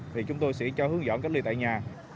thì chúng tôi sẽ cho hướng dẫn cách ly tại nhà